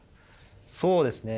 そうですね。